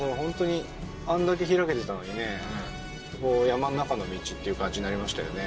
もう山の中の道っていう感じになりましたよね